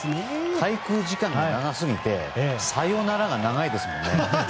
滞空時間が長すぎてサヨナラが長いですね。